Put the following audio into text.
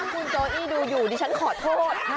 คุณโจอี้ดูอยู่ดิฉันขอโทษ